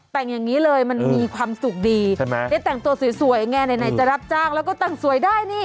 แต่งอย่างนี้เลยมันมีความสุขดีใช่ไหมได้แต่งตัวสวยไงไหนจะรับจ้างแล้วก็แต่งสวยได้นี่